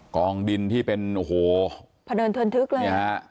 กองดินที่เป็นโอ้โหพะเนินเทินทึกเลยเนี่ยฮะ